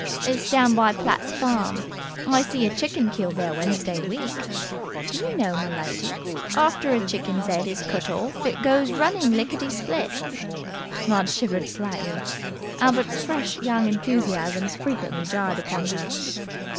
It's down by Platt's farm. I see a chicken killed there Wednesday week. Do you know, m'lady, after a chicken's 'ead is cut orf, it goes running licketty split?" Maud shivered slightly. Albert's fresh young enthusiasms frequently jarred upon her.